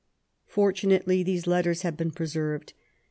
Fortunately, these letters have been preserved.